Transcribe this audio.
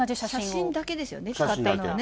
写真だけですよね、使っていたのはね。